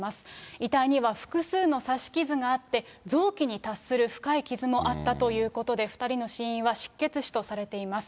遺体には複数の刺し傷があって、臓器に達する深い傷もあったということで、２人の死因は失血死とされています。